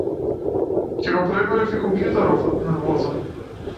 Ќе го прегорев и компјутеров од нервоза!